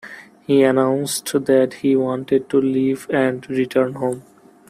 He announced that he wanted to leave and return home.